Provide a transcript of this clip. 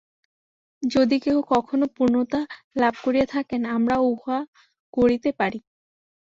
যদি কেহ কখনও পূর্ণতা লাভ করিয়া থাকেন, আমরাও উহা লাভ করিতে পারি।